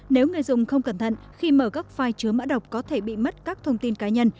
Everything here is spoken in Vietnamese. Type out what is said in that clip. nếu người dùng không cẩn thận khi mở các file chứa mã độc có thể bị mất các thông tin cá nhân